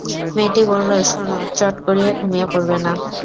মেয়েটি বলল, শোন, চট করে ঘুমিয়ে পড়বে না।